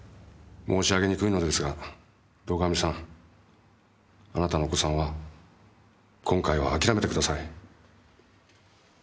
申し上げにくいのですが堂上さんあなたのお子さんは今回は諦めてください。